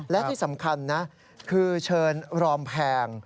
และที่สำคัญนะคือเชิญรอมแพง